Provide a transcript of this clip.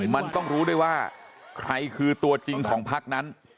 มันต้องรู้ด้วยว่าใครคือตัวจริงของพักนั้น